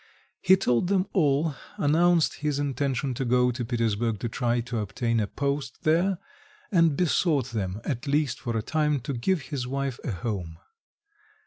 He told them all, announced his intention to go to Petersburg to try to obtain a post there, and besought them, at least for a time, to give his wife a home.